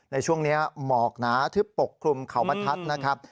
ในช่วงนี้หมอกหนาทึบปกคลุมเขาบรรทัศน์นะครับ